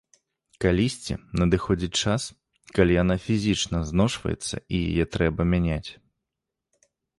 Калісьці надыходзіць час, калі яна фізічна зношваецца і яе трэба мяняць.